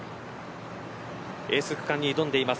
エース区間に挑んでいます